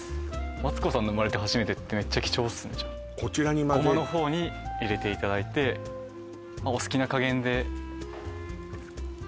マツコさんの生まれて初めてってメッチャ貴重っすねじゃあこちらに混ぜるごまのほうに入れていただいてまあお好きな加減であ